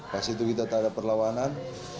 pas itu kita tak ada perlawanan